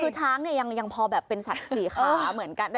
คือช้างเนี่ยยังพอแบบเป็นสัตว์สีขาเหมือนกัน